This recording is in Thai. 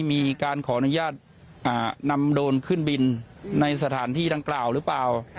มีการขออนุญาตนำโดรนขึ้นบินในสถานที่ดังกล่าวหรือเปล่า